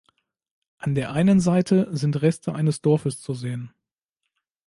An der einen Seite sind Reste eines Dorfes zu sehen.